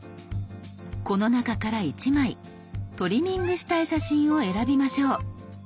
この中から１枚トリミングしたい写真を選びましょう。